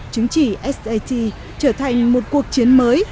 chứng chỉ sat trở thành một cuộc chiến mới